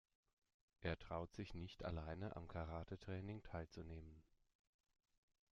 Er traut sich nicht alleine am Karatetraining teilzunehmen.